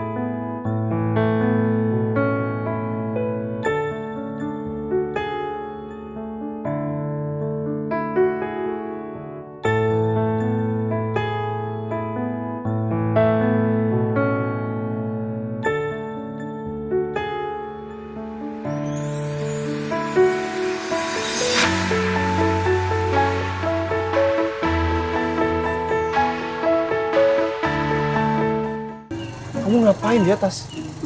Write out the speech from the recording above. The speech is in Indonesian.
kamu ngapain diatas